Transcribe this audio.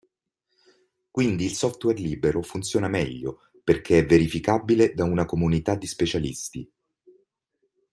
Quindi il software libero funziona meglio perché è verificabile da una comunità di specialisti.